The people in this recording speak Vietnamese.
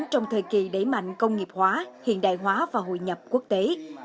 trong thời kỳ đẩy mạnh công nghiệp hóa hiện đại hóa và hội nhập quốc tế